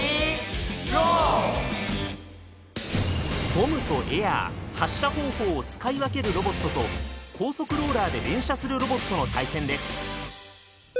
ゴムとエアー発射方法を使い分けるロボットと高速ローラーで連射するロボットの対戦です。